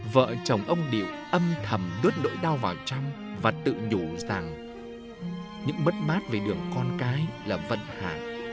vợ chồng ông điệp âm thầm đốt nỗi đau vào trong và tự nhủ rằng những mất bát về đường con cái là vận hạ